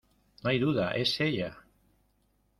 ¡ no hay duda, es ella!